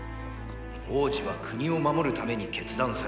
王子は国を守るために決断されたのだ。